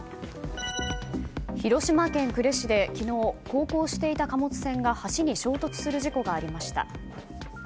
広島県呉市で昨日航行していた貨物船が橋に衝突する事故がありました。